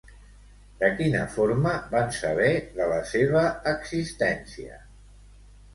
De quina forma van saber de la seva existència?